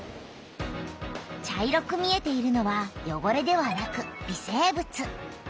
茶色く見えているのはよごれではなく微生物。